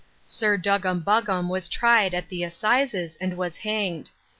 Sir Duggam Buggam was tried at the Assizes and was hanged.